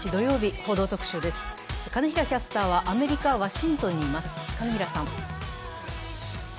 金平キャスターは、アメリカ・ワシントンにいます。